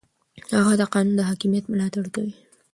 هغه د قانون د حاکمیت ملاتړ کوي.